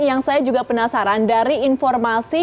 yang saya juga penasaran dari informasi